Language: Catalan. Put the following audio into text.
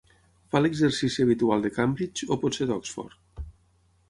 Fa l'exercici habitual de Cambridge, o potser d'Oxford?